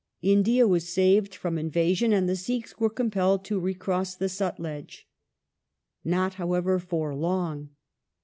India was saved from invasion and the Sikhs were compelled to recross the Sutlej. Not, however, for long.